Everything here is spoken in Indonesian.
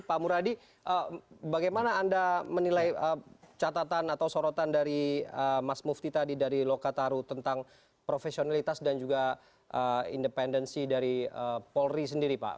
pak muradi bagaimana anda menilai catatan atau sorotan dari mas mufti tadi dari lokataru tentang profesionalitas dan juga independensi dari polri sendiri pak